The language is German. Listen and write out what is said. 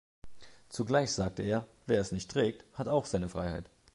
Zugleich sagte er: 'Wer es nicht trägt, hat auch seine Freiheit'".